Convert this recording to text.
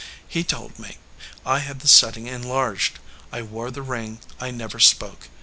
He told me. I had the setting enlarged. I wore the ring. I never spoke.